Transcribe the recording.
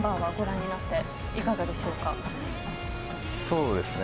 そうですね。